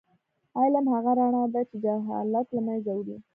علم هغه رڼا ده چې جهالت له منځه وړي.